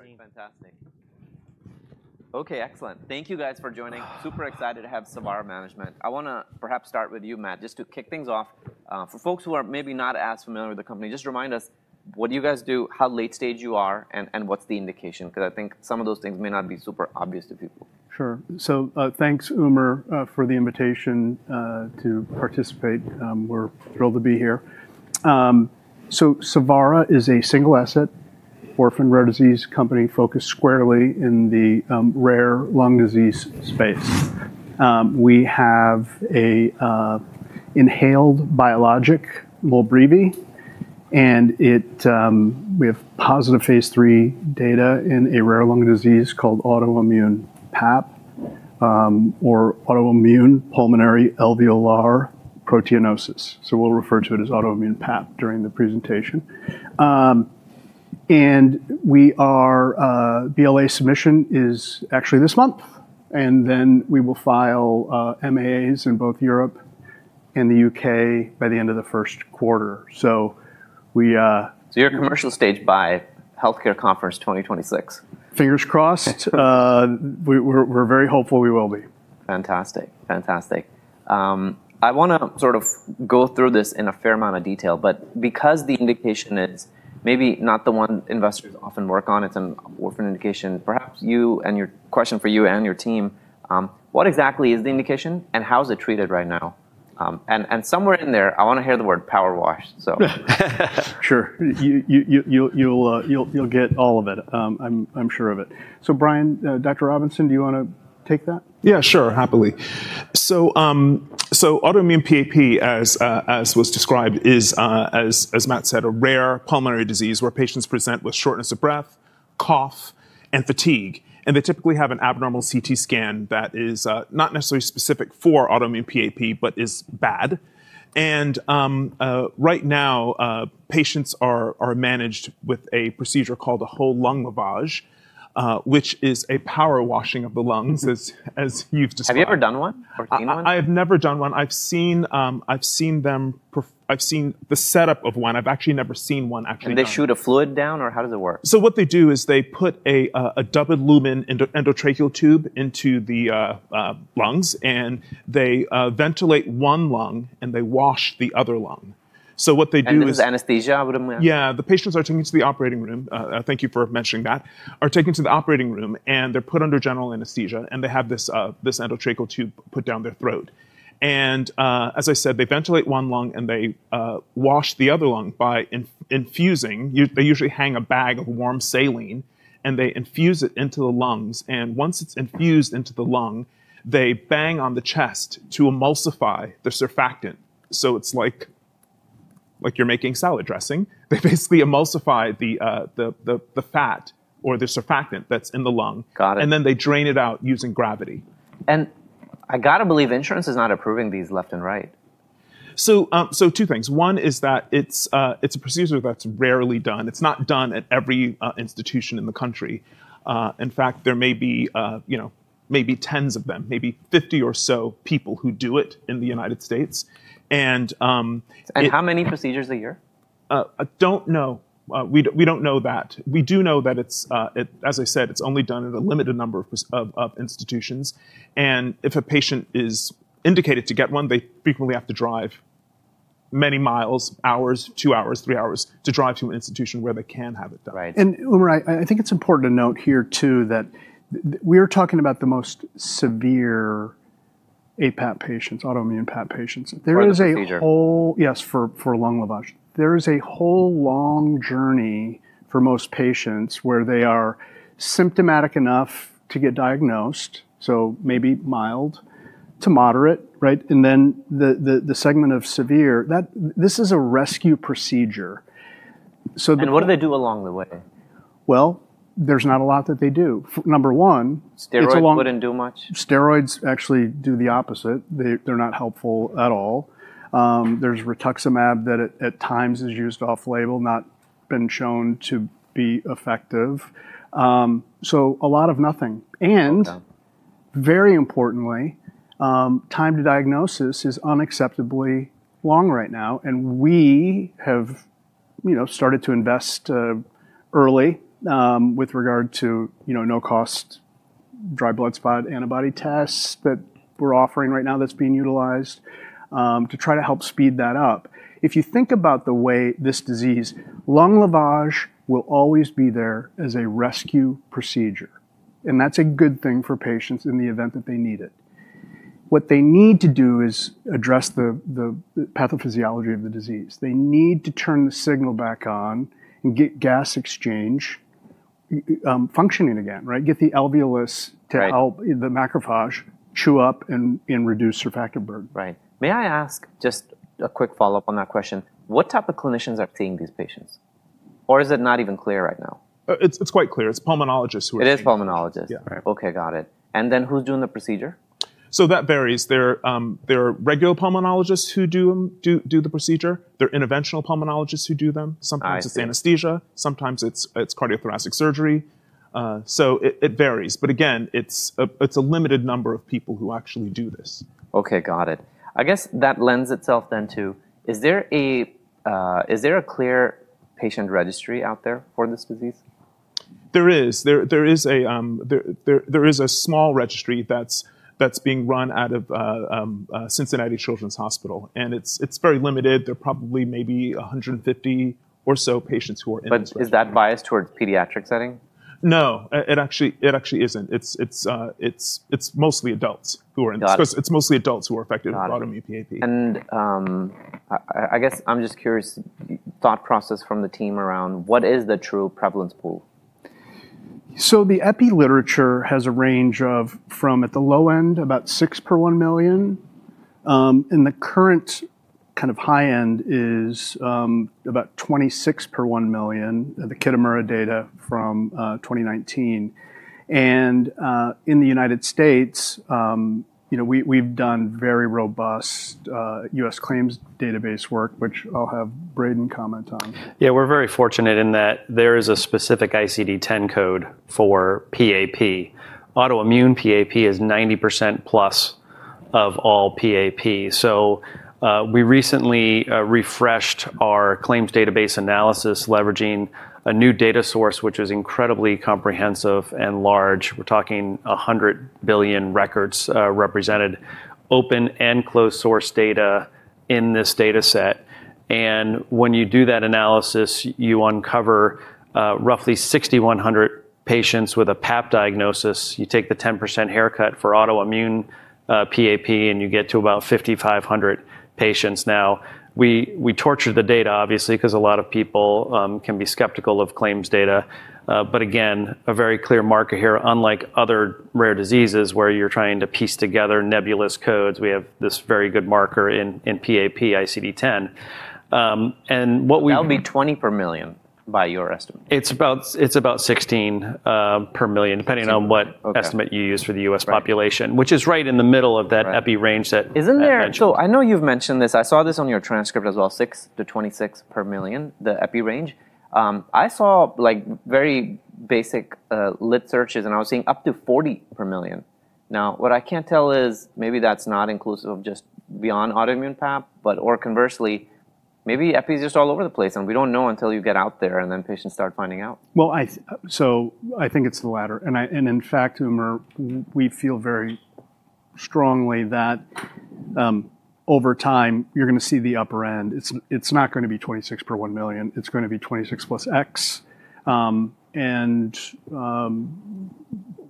All right. Fantastic. Okay. Excellent. Thank you, guys, for joining. Super excited to have Savara Management. I want to perhaps start with you, Matt, just to kick things off. For folks who are maybe not as familiar with the company, just remind us what you guys do, how late stage you are, and what's the indication, because I think some of those things may not be super obvious to people. Sure. So thanks, Umer, for the invitation to participate. We're thrilled to be here. So Savara Inc., is a single-asset orphan rare disease company focused squarely in the rare lung disease space. We have an inhaled biologic, Molbreevi, and we have positive Phase 3 data in a rare lung disease called autoimmune PAP, or autoimmune pulmonary alveolar proteinosis. So we'll refer to it as autoimmune PAP during the presentation. And BLA submission is actually this month, and then we will file MAAs in both Europe and the U.K. by the end of the first quarter. So we. So you're a commercial stage by healthcare conference 2026? Fingers crossed. We're very hopeful we will be. Fantastic. Fantastic. I want to sort of go through this in a fair amount of detail, but because the indication is maybe not the one investors often work on, it's an orphan indication, perhaps a question for you and your team, what exactly is the indication, and how is it treated right now, and somewhere in there, I want to hear the word power wash, so. Sure. You'll get all of it. I'm sure of it. So Brian, Dr. Robinson, do you want to take that? Yeah, sure. Happily. So autoimmune PAP, as was described, is, as Matt said, a rare pulmonary disease where patients present with shortness of breath, cough, and fatigue. And they typically have an abnormal CT scan that is not necessarily specific for autoimmune PAP, but is bad. And right now, patients are managed with a procedure called a whole lung lavage, which is a power washing of the lungs, as you've described. Have you ever done one or seen one? I have never done one. I've seen the setup of one. I've actually never seen one actually done. Can they shoot a fluid down, or how does it work? What they do is they put a double lumen endotracheal tube into the lungs, and they ventilate one lung, and they wash the other lung. That is anesthesia, I would imagine? Yeah. The patients are taken to the operating room. Thank you for mentioning that. They're taken to the operating room, and they're put under general anesthesia, and they have this endotracheal tube put down their throat. And as I said, they ventilate one lung, and they wash the other lung by infusing. They usually hang a bag of warm saline, and they infuse it into the lungs. And once it's infused into the lung, they bang on the chest to emulsify the surfactant. So it's like you're making salad dressing. They basically emulsify the fat or the surfactant that's in the lung. Got it. And then they drain it out using gravity. I got to believe insurance is not approving these left and right. So two things. One is that it's a procedure that's rarely done. It's not done at every institution in the country. In fact, there may be tens of them, maybe 50 or so people who do it in the United States. How many procedures a year? I don't know. We don't know that. We do know that, as I said, it's only done at a limited number of institutions. And if a patient is indicated to get one, they frequently have to drive many miles, hours, two hours, three hours to drive to an institution where they can have it done. Right. And Umer, I think it's important to note here, too, that we are talking about the most severe aPAP patients, autoimmune PAP patients. For whole procedure? Yes, for lung lavage. There is a whole long journey for most patients where they are symptomatic enough to get diagnosed, so maybe mild to moderate, right? And then the segment of severe, this is a rescue procedure. And what do they do along the way? There's not a lot that they do. Number one. Steroids wouldn't do much? Steroids actually do the opposite. They're not helpful at all. There's rituximab that at times is used off-label, not been shown to be effective. So a lot of nothing. Very importantly, time to diagnosis is unacceptably long right now. We have started to invest early with regard to no-cost dry blood spot antibody tests that we're offering right now that's being utilized to try to help speed that up. If you think about the way this disease, lung lavage will always be there as a rescue procedure. That's a good thing for patients in the event that they need it. What they need to do is address the pathophysiology of the disease. They need to turn the signal back on and get gas exchange functioning again, right? Get the alveolus to help the macrophage chew up and reduce surfactant burden. Right. May I ask just a quick follow-up on that question? What type of clinicians are seeing these patients? Or is it not even clear right now? It's quite clear. It's pulmonologists who are seeing them. It is pulmonologists. Yeah. Okay. Got it. And then who's doing the procedure? So that varies. There are regular pulmonologists who do the procedure. There are interventional pulmonologists who do them. Sometimes it's anesthesia. Sometimes it's cardiothoracic surgery. So it varies. But again, it's a limited number of people who actually do this. Okay. Got it. I guess that lends itself then to, is there a clear patient registry out there for this disease? There is a small registry that's being run out of Cincinnati Children's Hospital. And it's very limited. There are probably maybe 150 or so patients who are in this system. But is that biased towards the pediatric setting? No. It actually isn't. It's mostly adults who are in this system. It's mostly adults who are affected with autoimmune PAP. I guess I'm just curious, thought process from the team around what is the true prevalence pool? The EPI literature has a range of, from at the low end, about six per one million. In the current kind of high end, it is about 26 per one million, the Kitamura data from 2019. In the United States, we've done very robust U.S. claims database work, which I'll have Braden comment on. Yeah. We're very fortunate in that there is a specific ICD-10 code for PAP. Autoimmune PAP is 90% plus of all PAP. So we recently refreshed our claims database analysis leveraging a new data source, which is incredibly comprehensive and large. We're talking 100 billion records represented, open and closed source data in this data set. And when you do that analysis, you uncover roughly 6,100 patients with a PAP diagnosis. You take the 10% haircut for autoimmune PAP, and you get to about 5,500 patients now. We torture the data, obviously, because a lot of people can be skeptical of claims data. But again, a very clear marker here, unlike other rare diseases where you're trying to piece together nebulous codes, we have this very good marker in PAP, ICD-10. And what we. That'll be 20 per million by your estimate. It's about 16 per million, depending on what estimate you use for the U.S. population, which is right in the middle of that EPI range that. Isn't there? So I know you've mentioned this. I saw this on your transcript as well, six to 26 per million, the EPI range. I saw very basic lit searches, and I was seeing up to 40 per million. Now, what I can't tell is maybe that's not inclusive of just beyond autoimmune PAP, but conversely, maybe EPI is just all over the place, and we don't know until you get out there and then patients start finding out. I think it's the latter. In fact, Umer, we feel very strongly that over time, you're going to see the upper end. It's not going to be 26 per one million. It's going to be 26 plus x.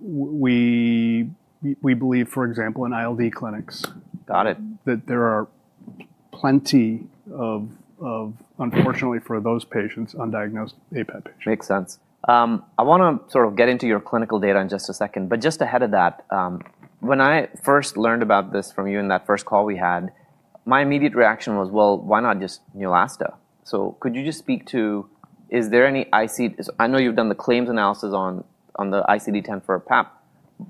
We believe, for example, in ILD clinics, that there are plenty of, unfortunately for those patients, undiagnosed aPAP patients. Makes sense. I want to sort of get into your clinical data in just a second. But just ahead of that, when I first learned about this from you in that first call we had, my immediate reaction was, well, why not just Neulasta? So could you just speak to, is there any ICD? I know you've done the claims analysis on the ICD-10 for PAP.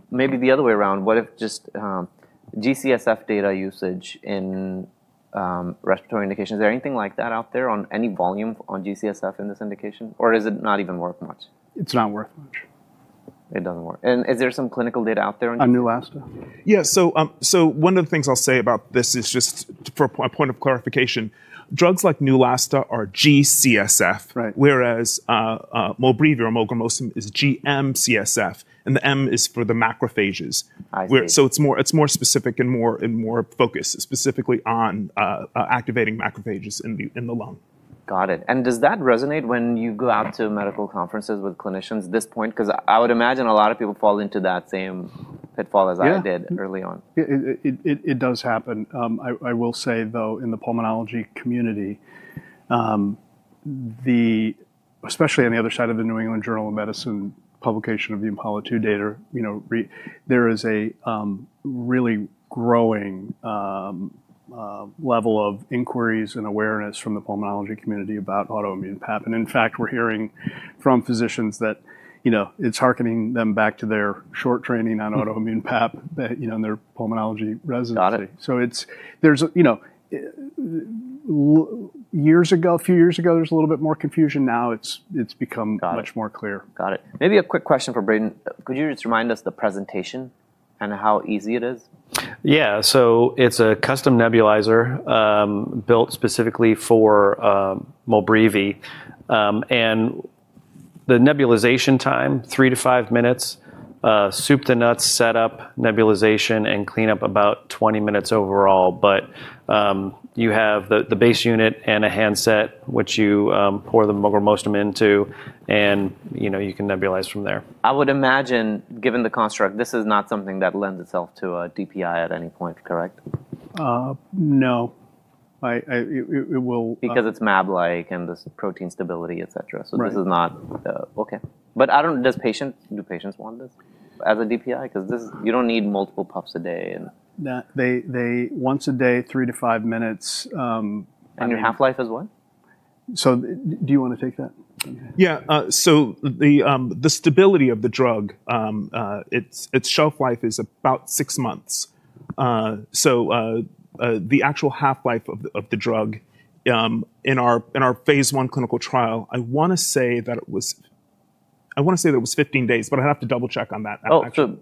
Maybe the other way around, what if just G-CSF data usage in respiratory indications? Is there anything like that out there on any volume on G-CSF in this indication? Or does it not even work much? It's not worth much. It doesn't work, and is there some clinical data out there? On Neulasta? Yeah, so one of the things I'll say about this is just for a point of clarification: drugs like Neulasta are G-CSF, whereas Molbreevi or molgramostim is GM-CSF, and the M is for the macrophages, so it's more specific and more focused specifically on activating macrophages in the lung. Got it. And does that resonate when you go out to medical conferences with clinicians at this point? Because I would imagine a lot of people fall into that same pitfall as I did early on. Yeah. It does happen. I will say, though, in the pulmonology community, especially on the other side of the New England Journal of Medicine publication of the IMPALA-2 data, there is a really growing level of inquiries and awareness from the pulmonology community about autoimmune PAP, and in fact, we're hearing from physicians that it's heartening them back to their short training on autoimmune PAP in their pulmonology residency, so years ago, a few years ago, there was a little bit more confusion. Now it's become much more clear. Got it. Maybe a quick question for Braden. Could you just remind us the presentation and how easy it is? Yeah. So it's a custom nebulizer built specifically for Molbreevi. And the nebulization time, three to five minutes, soup to nuts, setup, nebulization, and cleanup about 20 minutes overall. But you have the base unit and a handset, which you pour the molgramostim into, and you can nebulize from there. I would imagine, given the construct, this is not something that lends itself to a DPI at any point, correct? No. It will. Because it's MAB-like and this protein stability, et cetera. So this is not okay. But do patients want this as a DPI? Because you don't need multiple puffs a day. Once a day, three to five minutes. Your half-life is what? So do you want to take that? Yeah, so the stability of the drug, its shelf life is about six months. So the actual half-life of the drug in our phase I clinical trial, I want to say that it was 15 days, but I'd have to double-check on that. Oh. So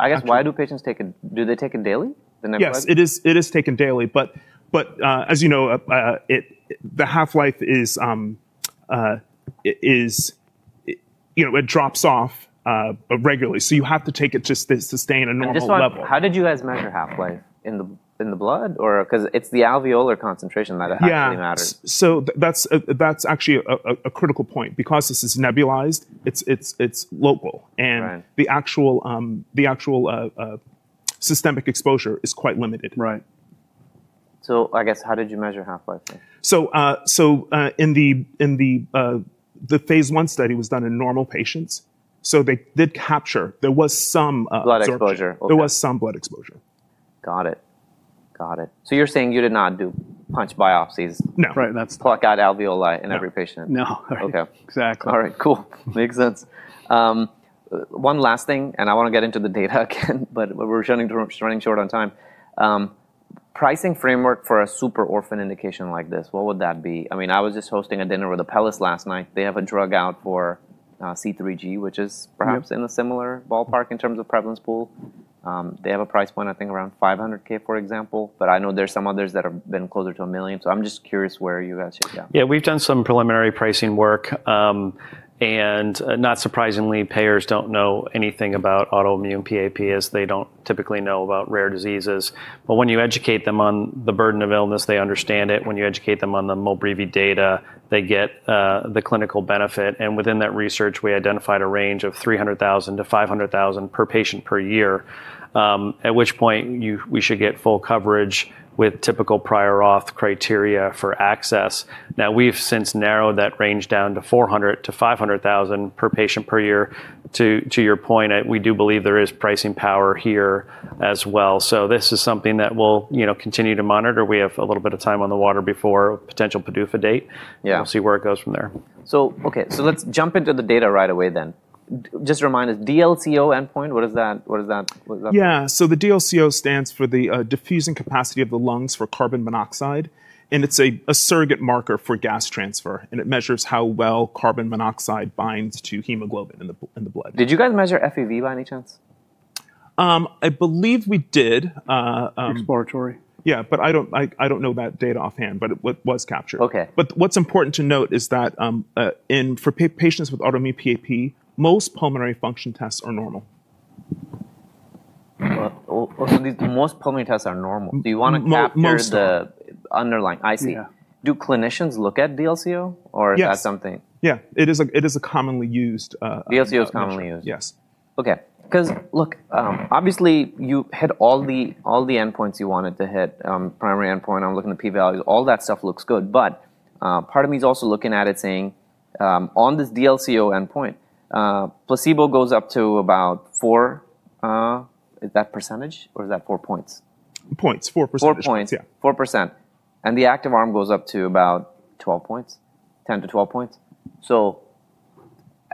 I guess, why do patients take it? Do they take it daily in their blood? Yes. It is taken daily. But as you know, the half-life is, it drops off regularly. So you have to take it just to sustain a normal level. How did you guys measure half-life in the blood? Because it's the alveoli concentration that actually matters. Yeah. So that's actually a critical point. Because this is nebulized, it's local. And the actual systemic exposure is quite limited. Right. So I guess how did you measure half-life there? In the phase I study was done in normal patients. They did capture. There was some. Blood exposure. There was some blood exposure. Got it. Got it. So you're saying you did not do punch biopsies? No. Right. Pluck out alveoli in every patient? No. Okay. Exactly. All right. Cool. Makes sense. One last thing, and I want to get into the data again, but we're running short on time. Pricing framework for a super orphan indication like this, what would that be? I mean, I was just hosting a dinner with Apellis last night. They have a drug out for C3G, which is perhaps in a similar ballpark in terms of prevalence pool. They have a price point, I think, around $500,000, for example. But I know there are some others that have been closer to $1 million. So I'm just curious where you guys should go? Yeah. We've done some preliminary pricing work. And not surprisingly, payers don't know anything about autoimmune PAP as they don't typically know about rare diseases. But when you educate them on the burden of illness, they understand it. When you educate them on the Molbreevi data, they get the clinical benefit. And within that research, we identified a range of $300,000-$500,000 per patient per year, at which point we should get full coverage with typical prior auth criteria for access. Now, we've since narrowed that range down to $400,000-$500,000 per patient per year. To your point, we do believe there is pricing power here as well. So this is something that we'll continue to monitor. We have a little bit of time on our hands before potential PDUFA date. We'll see where it goes from there. Okay. Let's jump into the data right away then. Just remind us, DLCO endpoint. What is that? Yeah. So the DLCO stands for the Diffusing Capacity of the Lungs for Carbon Monoxide. And it's a surrogate marker for gas transfer. And it measures how well carbon monoxide binds to hemoglobin in the blood. Did you guys measure FEV by any chance? I believe we did. Exploratory. Yeah, but I don't know that data offhand, but it was captured. Okay. What's important to note is that for patients with autoimmune PAP, most pulmonary function tests are normal. Most pulmonary tests are normal. Do you want to map the underlying? I see. Do clinicians look at DLCO or is that something? Yeah. It is a commonly used. DLCO is commonly used. Yes. Okay. Because look, obviously, you hit all the endpoints you wanted to hit. Primary endpoint, I'm looking at p-value. All that stuff looks good. But part of me is also looking at it saying, on this DLCO endpoint, placebo goes up to about four. Is that percentage or is that four points? Points. 4%. Four points. Yeah. 4%. And the active arm goes up to about 12 points, 10 to 12 points. So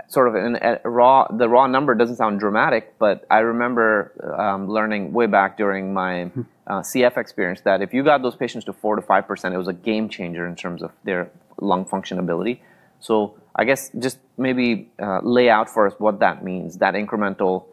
sort of the raw number doesn't sound dramatic, but I remember learning way back during my CF experience that if you got those patients to 4% to 5%, it was a game changer in terms of their lung function ability. So I guess just maybe lay out for us what that means, that incremental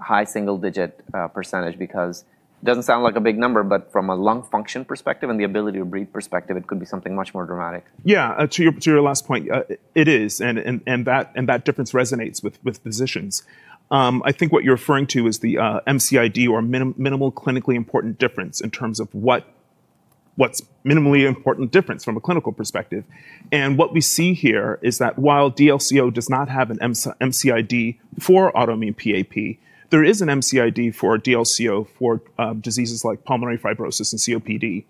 high single-digit percentage, because it doesn't sound like a big number, but from a lung function perspective and the ability to breathe perspective, it could be something much more dramatic. Yeah. To your last point, it is. And that difference resonates with physicians. I think what you're referring to is the MCID or minimal clinically important difference in terms of what's minimally important difference from a clinical perspective. And what we see here is that while DLCO does not have an MCID for autoimmune PAP, there is an MCID for DLCO for diseases like pulmonary fibrosis and COPD,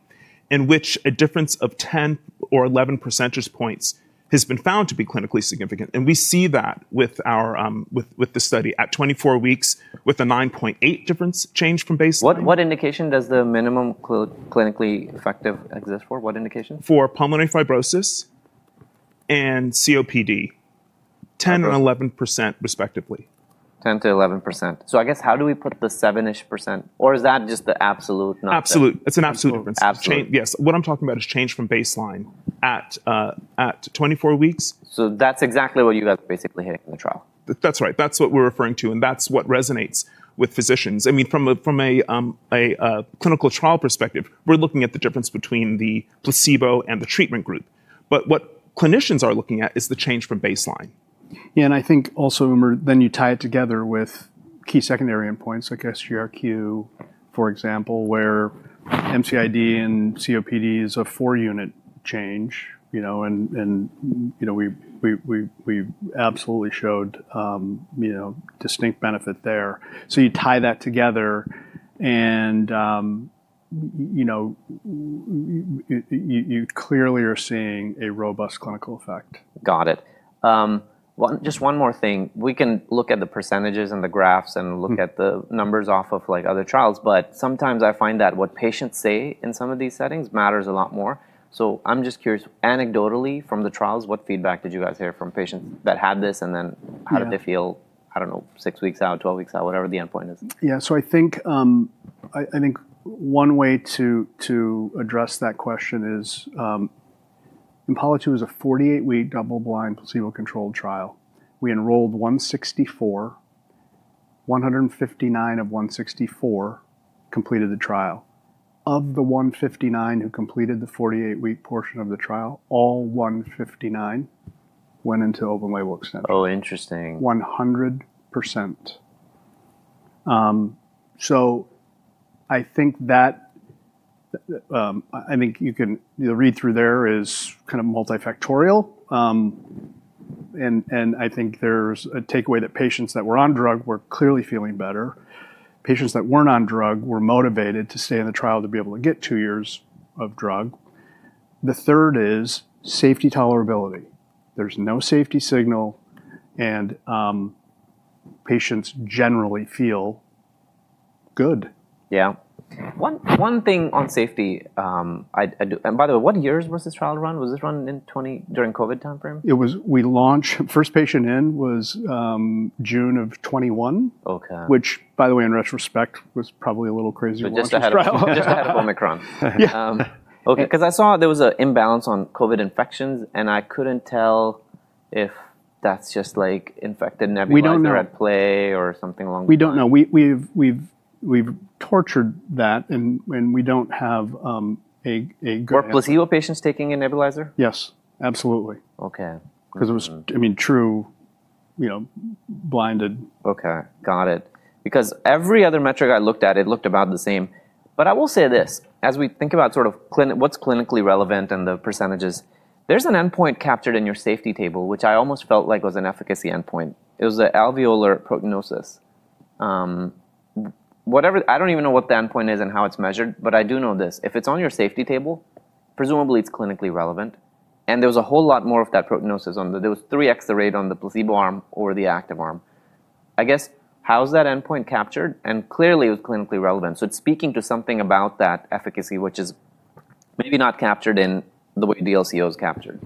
in which a difference of 10 or 11 percentage points has been found to be clinically significant. And we see that with the study at 24 weeks with a 9.8 difference change from baseline. What indication does the minimal clinically important difference exist for? What indication? For pulmonary fibrosis and COPD, 10% and 11% respectively. 10%-11%. So I guess how do we put the 7-ish%? Or is that just the absolute number? Absolute. It's an absolute difference. Absolute. Yes. What I'm talking about is change from baseline at 24 weeks. That's exactly what you guys are basically hitting in the trial. That's right. That's what we're referring to, and that's what resonates with physicians. I mean, from a clinical trial perspective, we're looking at the difference between the placebo and the treatment group, but what clinicians are looking at is the change from baseline. Yeah. And I think also, Umer, then you tie it together with key secondary endpoints, like SGRQ, for example, where MCID and COPD is a four-unit change. And we absolutely showed distinct benefit there. So you tie that together, and you clearly are seeing a robust clinical effect. Got it. Well, just one more thing. We can look at the percentages and the graphs and look at the numbers off of other trials. But sometimes I find that what patients say in some of these settings matters a lot more. So I'm just curious, anecdotally, from the trials, what feedback did you guys hear from patients that had this? And then how did they feel, I don't know, six weeks out, 12 weeks out, whatever the endpoint is? Yeah. So I think one way to address that question is IMPALA-2 is a 48-week double-blind placebo-controlled trial. We enrolled 164. 159 of 164 completed the trial. Of the 159 who completed the 48-week portion of the trial, all 159 went into open-label extension. Oh, interesting. 100%. So I think that I think you can read through. There is kind of multifactorial. I think there's a takeaway that patients that were on drug were clearly feeling better. Patients that weren't on drug were motivated to stay in the trial to be able to get two years of drug. The third is safety tolerability. There's no safety signal, and patients generally feel good. Yeah. One thing on safety, and by the way, what years was this trial run? Was this run in 2020 during COVID timeframe? We launched first patient in June of 2021, which, by the way, in retrospect, was probably a little crazy. Just ahead of Omicron. Okay. Because I saw there was an imbalance on COVID infections, and I couldn't tell if that's just infected nebulizer at play or something along. We don't know. We've tortured that, and we don't have a good. Were placebo patients taking a nebulizer? Yes. Absolutely. Okay. Because it was, I mean, true blinded. Okay. Got it. Because every other metric I looked at, it looked about the same. But I will say this. As we think about sort of what's clinically relevant and the percentages, there's an endpoint captured in your safety table, which I almost felt like was an efficacy endpoint. It was the alveolar prognosis. I don't even know what the endpoint is and how it's measured, but I do know this. If it's on your safety table, presumably it's clinically relevant. And there was a whole lot more of that prognosis. There was 3x the rate on the placebo arm or the active arm. I guess how's that endpoint captured? And clearly, it was clinically relevant. So it's speaking to something about that efficacy, which is maybe not captured in the way DLCO is captured.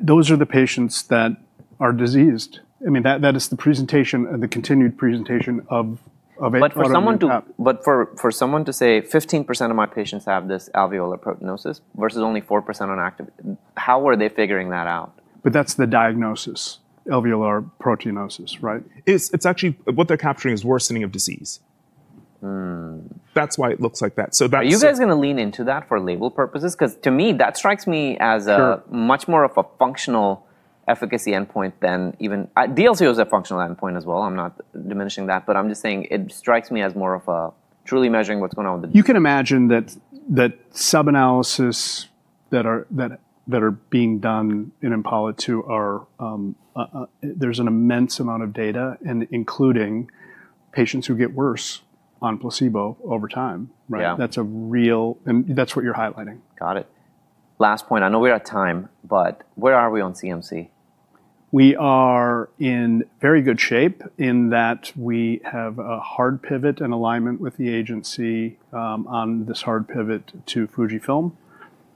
Those are the patients that are diseased. I mean, that is the presentation, the continued presentation of. But for someone to say 15% of my patients have this alveolar proteinosis versus only 4% on active, how are they figuring that out? But that's the diagnosis, alveolar proteinosis, right? It's actually what they're capturing is worsening of disease. That's why it looks like that. So that's. Are you guys going to lean into that for label purposes? Because to me, that strikes me as much more of a functional efficacy endpoint than even DLCO is a functional endpoint as well. I'm not diminishing that, but I'm just saying it strikes me as more of a truly measuring what's going on with the disease. You can imagine that sub-analyses that are being done in IMPALA-2 are. There's an immense amount of data, including patients who get worse on placebo over time. That's real, and that's what you're highlighting. Got it. Last point. I know we're at time, but where are we on CMC? We are in very good shape in that we have a hard pivot and alignment with the agency on this hard pivot to Fujifilm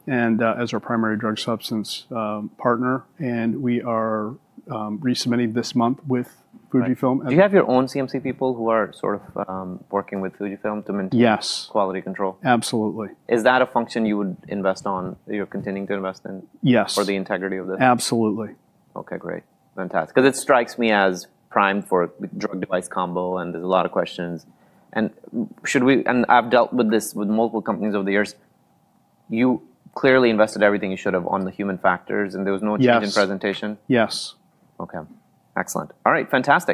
as our primary drug substance partner, and we are resubmitting this month with Fujifilm. Do you have your own CMC people who are sort of working with Fujifilm to maintain quality control? Yes. Absolutely. Is that a function you would invest on, you're continuing to invest in for the integrity of this? Absolutely. Okay. Great. Fantastic. Because it strikes me as prime for drug-device combo, and there's a lot of questions. And I've dealt with this with multiple companies over the years. You clearly invested everything you should have on the human factors, and there was no change in presentation. Yes. Okay. Excellent. All right. Fantastic.